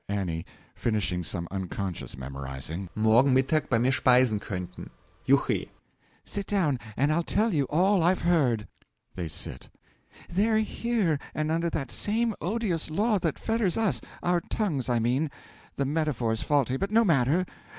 A. (Finishing some unconscious memorising.) morgen Mittag bei mir speisen konnten. Juckhe! Sit down and I'll tell you all I've heard. (They sit.) They're here, and under that same odious law that fetters us our tongues, I mean; the metaphor's faulty, but no matter.